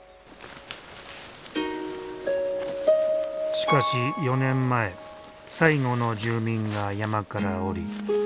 しかし４年前最後の住民が山から下り消滅集落に。